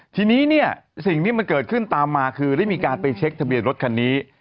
ทีนี้เนี่ยสิ่งที่มันเกิดขึ้นตามมาคือได้มีการไปเช็คทะเบียนรถคันนี้